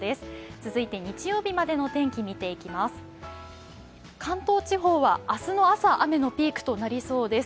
続いて、日曜日までのお天気を見ていきます。